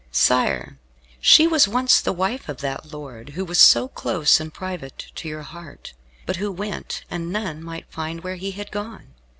Sire, she was once the wife of that lord who was so close and private to your heart, but who went, and none might find where he had gone.